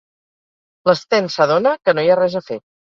L'Sten s'adona que no hi ha res a fer.